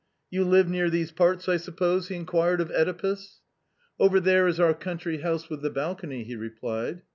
You live near these parts, I suppose ?" he inquired of (Edipus. " Over there is our country house with the balcony," he replied.